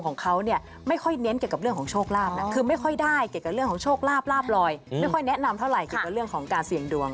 นะนั้นเอาสุขภาพเลยละกัน